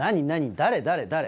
誰誰誰？